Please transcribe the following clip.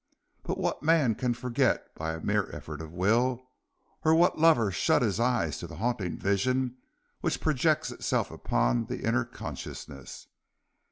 But what man can forget by a mere effort of will, or what lover shut his eyes to the haunting vision which projects itself upon the inner consciousness.